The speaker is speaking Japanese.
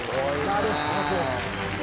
なるほど。